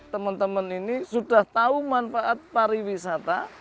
teman teman ini sudah tahu manfaat pariwisata